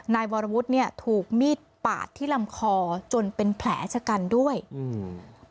นายวรวุฒิเนี้ยถูกมีดปาดที่ลำคอจนเป็นแผลชะกันด้วยอืม